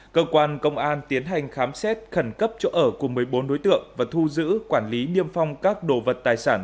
cơ quan công an tiến hành khám xét khẩn cấp chỗ ở của một mươi bốn đối tượng và thu giữ quản lý niêm phong các đồ vật tài sản